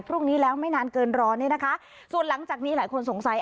พรุ่งนี้แล้วไม่นานเกินร้อนเนี่ยนะคะส่วนหลังจากนี้หลายคนสงสัย